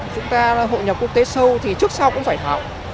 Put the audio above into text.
chúng ta hội nhập quốc tế sâu thì trước sau cũng phải học